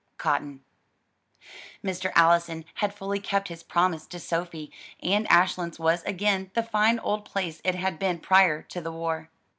Cotton Mr. Allison had fully kept his promise to Sophie, and Ashlands was again the fine old place it had been prior to the war.